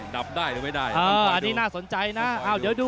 ดับได้หรือไม่ได้ต้องไปดู